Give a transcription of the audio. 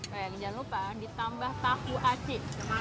bayang jangan lupa ditambah tahu aci